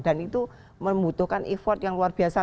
dan itu membutuhkan effort yang luar biasa